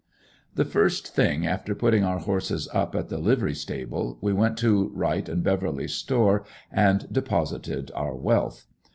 The first thing after putting our horses up at the livery stable, we went to Wright & Beverly's store and deposited our "wealth."